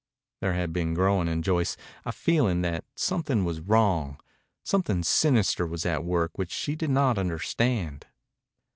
There had been growing in Joyce a feeling that something was wrong, something sinister was at work which she did not understand.